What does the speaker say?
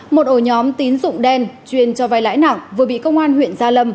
một ổ nhóm tín dụng đen chuyên cho vay lãi nặng vừa bị công an huyện gia lâm